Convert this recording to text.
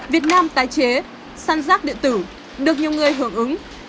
việt nam tái chế săn rác điện tử được nhiều người hưởng ứng